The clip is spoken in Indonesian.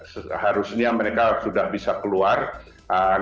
seharusnya mereka sudah bisa keluar dari jalur gaza